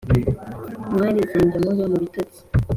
Ntwari zange muve mubitotsi.